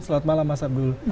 selamat malam mas abdul